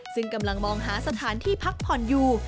ซึ่งกำลังมองหาสถานที่พักผ่อนอยู่